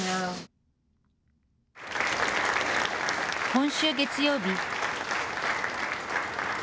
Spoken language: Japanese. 今週、月曜日。